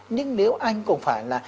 nhưng nếu anh cũng phải là